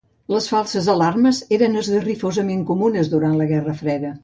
Les falses alarmes eren esgarrifosament comunes durant la Guerra Freda.